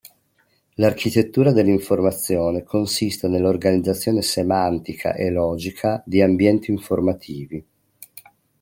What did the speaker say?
L'architettura dell'informazione consiste nell'organizzazione semantica e logica di ambienti informativi.